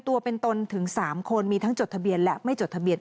ตัวเป็นตนถึง๓คนมีทั้งจดทะเบียนและไม่จดทะเบียน